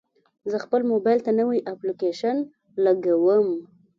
زه خپل موبایل ته نوي اپلیکیشنونه لګوم.